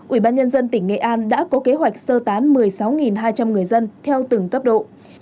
ủy ban nhân dân tỉnh nghệ an đã có kế hoạch sơ tán một mươi sáu hai trăm linh người dân theo từng cấp độ